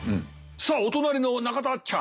さあお隣の中田あっちゃん。